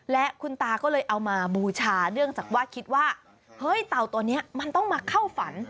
และคุณตาก็เลยเอามาบูชาเนื่องจากว่าคิดว่าเฮ้ยเต่าตัวนี้มันต้องมาเข้าฝัน